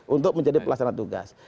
untuk menjadi pelaksana tugas